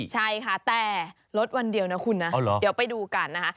ใช่ค่ะแต่ลดวันเดียวนะคุณนะเดี๋ยวไปดูกันนะคะ